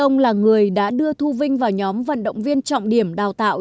ông là người đã đưa thu vinh vào nhóm vận động viên trọng điểm đào tạo